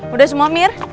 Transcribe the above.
udah semua mir